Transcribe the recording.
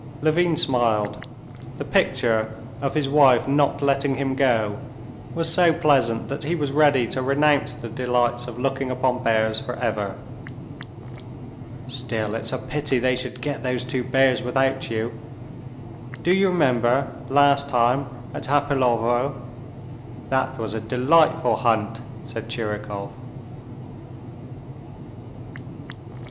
Levin smiled. The picture of his wife not letting him go was so pleasant that he was ready to renounce the delights of looking upon bears forever. "Still, it's a pity they should get those two bears without you. Do you remember last time at Hapilovo? That was a delightful hunt!" said Tchirikov.